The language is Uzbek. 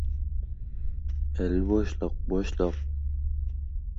— E, e… qachon keldingiz, ukajon?